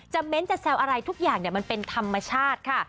เม้นจะแซวอะไรทุกอย่างมันเป็นธรรมชาติค่ะ